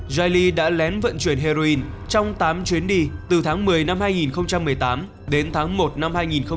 jaili đã lén vận chuyển heroin trong tám chuyến đi từ tháng một mươi năm hai nghìn một mươi tám đến tháng một năm hai nghìn một mươi chín